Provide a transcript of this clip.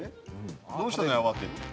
「どうしたのよあわてて」。